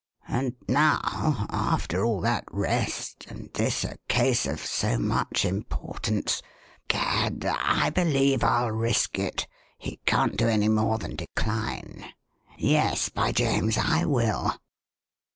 And now, after all that rest and this a case of so much importance Gad! I believe I'll risk it. He can't do any more then decline. Yes, by James! I will."